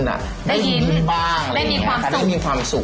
ได้ยิ้มได้มีความสุข